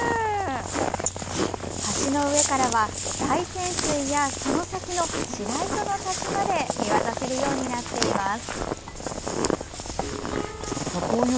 橋の上からは、大泉水やその先の白糸の滝まで見渡せるようになっています。